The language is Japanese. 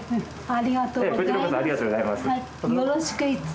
ありがとうございます。